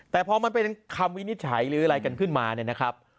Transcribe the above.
แต่พอมันเป็นคำวินิจฉัยหรืออะไรกันขึ้นมา